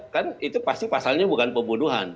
kan itu pasti pasalnya bukan pembunuhan